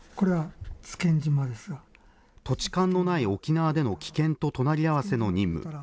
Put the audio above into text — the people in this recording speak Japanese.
土地勘のない沖縄での危険と隣り合わせの任務。